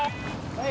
はい。